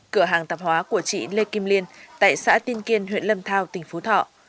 cửa hàng tạp hóa của chị lê kim liên tại xã tiên kiên huyện lâm thao tỉnh phú thọ